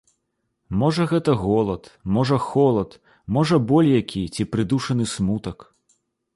Можа гэта голад, можа холад, можа боль які ці прыдушаны смутак.